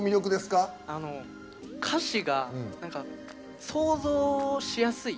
歌詞が想像しやすい。